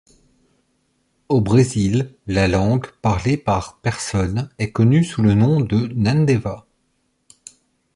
Au Brésil la langue, parlée par personnes, est connue sous le nom de nhandeva.